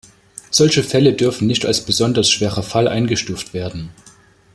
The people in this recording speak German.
Solche Fälle dürfen nicht als besonders schwerer Fall eingestuft werden kann.